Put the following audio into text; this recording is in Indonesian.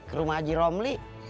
ke rumah haji romli